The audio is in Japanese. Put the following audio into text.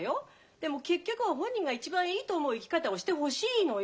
でも結局は本人が一番いいと思う生き方をしてほしいのよ。